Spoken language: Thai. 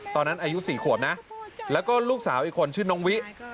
อายุ๔ขวบนะแล้วก็ลูกสาวอีกคนชื่อน้องวิ